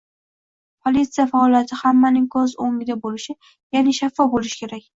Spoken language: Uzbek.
– politsiya faoliyati hammaning ko‘z o‘ngida bo‘lishi, yaʼni shaffof bo‘lishi kerak.